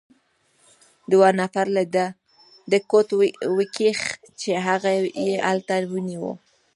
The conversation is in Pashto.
دوو نفر له ده کوټ وکیښ، چې هغه يې هلته ونیو.